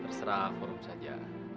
terserah forum saja